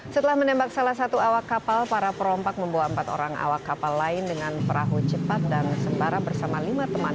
setelah menembak salah satu awak kapal para perompak membawa empat orang awak kapal lain dengan perahu cepat dan sembara bersama lima teman